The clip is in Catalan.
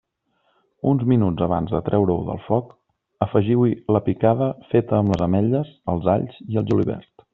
Uns minuts abans de treure-ho del foc, afegiu-hi la picada feta amb les ametlles, els alls i el julivert.